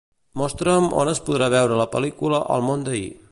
Mostra'm on es podrà veure la pel·lícula "El món d'ahir".